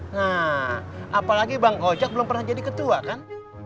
nah apalagi bang ojek belum pernah jadi ketua kan